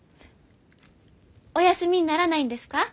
お休みにならないんですか？